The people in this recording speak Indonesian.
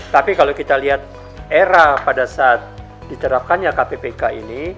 tapi kalau kita lihat era pada saat diterapkannya kppk ini